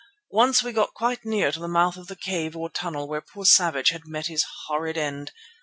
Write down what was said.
Once we got quite near to the mouth of the cave or tunnel where poor Savage had met his horrid end.